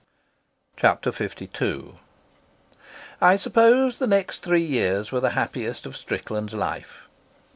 Chapter LII I suppose the next three years were the happiest of Strickland's life.